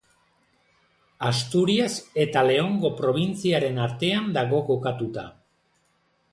Asturias eta Leongo probintziaren artean dago kokatuta.